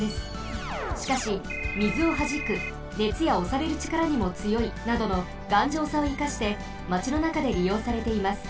しかし水をはじく熱や押される力にも強いなどのがんじょうさを生かしてマチのなかで利用されています。